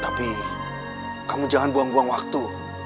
tapi kamu jangan buang buang waktu